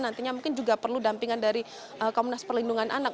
nantinya mungkin juga perlu dampingan dari komnas perlindungan anak